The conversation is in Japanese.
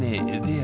あ！